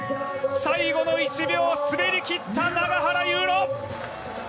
最後の１秒滑りきった永原悠路。